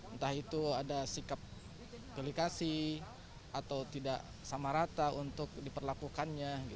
entah itu ada sikap delikasi atau tidak sama rata untuk diperlakukannya